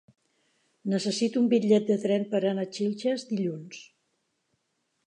Necessito un bitllet de tren per anar a Xilxes dilluns.